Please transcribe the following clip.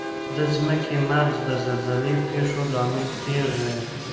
د ځمکې مغز د زلزلې پېښو لامل کیږي.